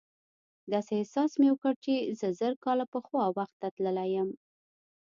داسې احساس مې وکړ چې زه زر کاله پخوا وخت ته تللی یم.